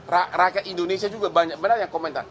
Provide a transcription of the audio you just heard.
rakyat indonesia juga banyak banyak yang komentar